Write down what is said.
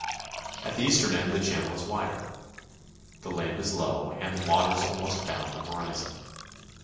At the eastern end the channel is wider. The land is low, and the waters almost bound the horizon.